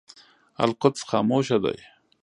القدس خاموشه دی.